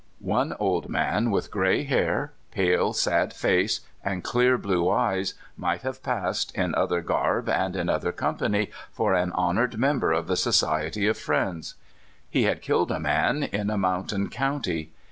One old man with gray hair, pale, sad face, and clear blue eyes, might have passed, in other garb and in other company, for an honored member of the Society of Friends. He had killed a man in a mountain county.